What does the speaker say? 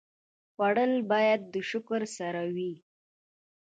خوړل باید د شکر سره وي